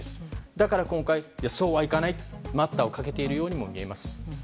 だから今回、そうはいかないと待ったをかけているようにも見えます。